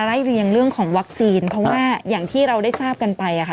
เรียงเรื่องของวัคซีนเพราะว่าอย่างที่เราได้ทราบกันไปอะค่ะ